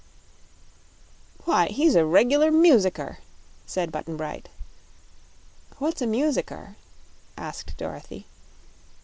"Why, he's a reg'lar musicker!" said Button Bright. "What's a musicker?" asked Dorothy.